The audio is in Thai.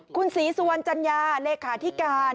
คุณศรีสวรรภ์จัญญาเนก้าทิการ